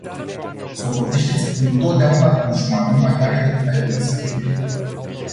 Socotește-ți întotdeauna dușmanul mai tare decât ai dori să fie.